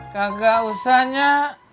kagak usah nyak